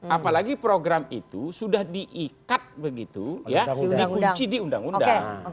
apalagi program itu sudah diikat begitu ya dikunci di undang undang